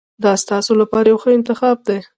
دا ستاسو لپاره یو ښه انتخاب دی.